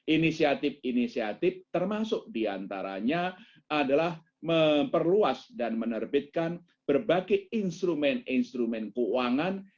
inisiatif inisiatif termasuk diantaranya adalah memperluas dan menerbitkan berbagai instrumen instrumen keuangan